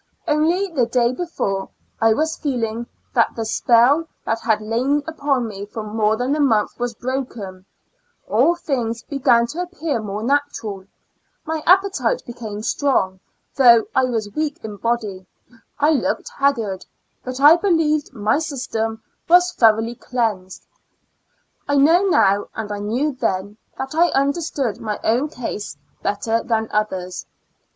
Only the day before, I was feeling that the spell that had lain upon me for more than a month, was broken ; all things began to appear more natural; my appetite became strong, though I was weak in body ; I looked haggard, but I believed my system was thoroughly 32 Two Years rnd Four Months cleansed. I know now, and I knew then, that I understood my own case better than others.